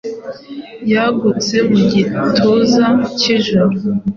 yagutse mu gituza cyijoro